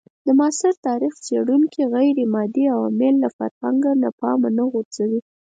د معاصر تاریخ څېړونکي غیرمادي عوامل لکه فرهنګ له پامه نه غورځوي.